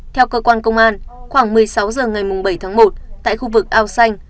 theo cơ quan công an khoảng một mươi sáu h ngày bảy tháng một tại khu vực ao xanh